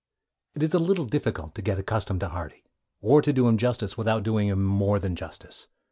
It is a little difficult to get accustomed to Hardy, or to do him justice without doing him more than justice.